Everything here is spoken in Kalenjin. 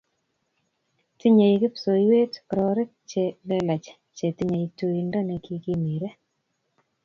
Tinyei kipsoiwet kororik che lelach che tinyei tuindo ne kikimire